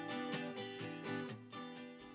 dibutuhkan proses yang panjang untuk menikmati secangkir kosong